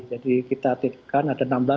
jadi kita mengaktifkan ada enam belas